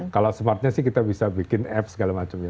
kalau smartnya sih kita bisa bikin apps segala macamnya